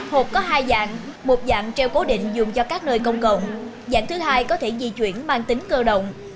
hộp có hai dạng một dạng treo cố định dùng cho các nơi công cộng dạng thứ hai có thể di chuyển mang tính cơ động